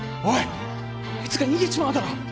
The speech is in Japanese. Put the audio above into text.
あいつが逃げちまうだろ！